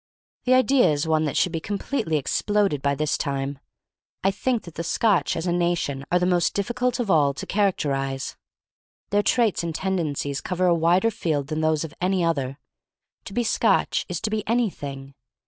The idea is one that should be completely exploded by this time. I think that the Scotch as a nation are the most difficult of all to characterize. Their traits and tendencies cover a wider field than those of any other. To be Scotch is to be anything.